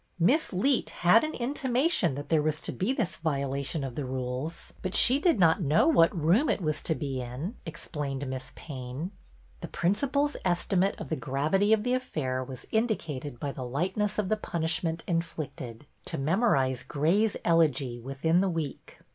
" Miss Leet had an intimation that there was to be this violation of the rules, but she BETTY BAIRD 174 did not know what room it was to be in," explained Miss Payne. The principal's estimate of the gravity of the affair was indicated by the lightness of the punishment inflicted, — to memorize Gray's "Elegy" within the week.